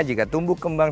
jika tumbuh kembang